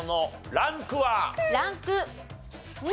ランク２。